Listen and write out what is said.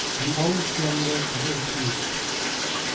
AN OLD GENERAL OF REPUTE.